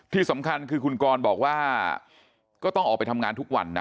ที่สำคัญคือคุณกรบอกว่าก็ต้องออกไปทำงานทุกวันนะ